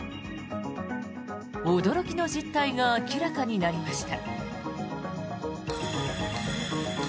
驚きの実態が明らかになりました。